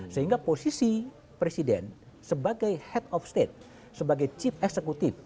sehingga posisi presiden sebagai head of state sebagai chip eksekutif